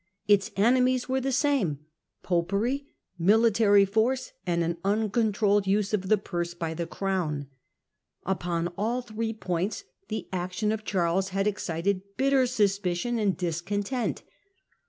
Its enemies . were the same — Popery, military force, and an the Parlia uncontrolled use of the purse by the Crown, mem. Upon all three points the action of Charles had pxcited bitter suspicion and discontent.